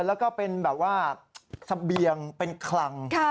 แล้วก็เป็นแบบว่าเสบียงเป็นคลัง